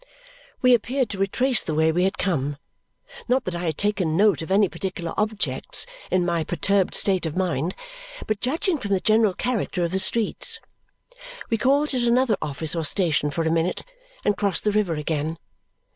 We appeared to retrace the way we had come. Not that I had taken note of any particular objects in my perturbed state of mind, but judging from the general character of the streets. We called at another office or station for a minute and crossed the river again.